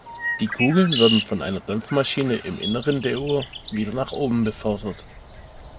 Die Kugeln werden von einer Dampfmaschine im Inneren der Uhr wieder nach oben befördert.